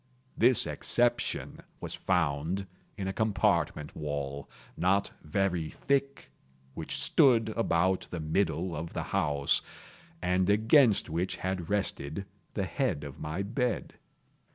This exception was found in a compartment wall, not very thick, which stood about the middle of the house, and against which had rested the head of my bed.